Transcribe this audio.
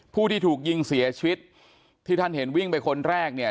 ผู้ที่ถูกยิงเสียชีวิตที่ท่านเห็นวิ่งไปคนแรกเนี่ย